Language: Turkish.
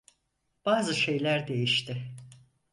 Bazı şeyler değişti.